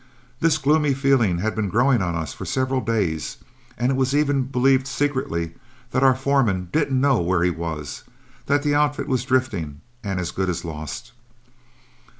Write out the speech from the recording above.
This gloomy feeling had been growing on us for several days, and it was even believed secretly that our foreman didn't know where he was; that the outfit was drifting and as good as lost.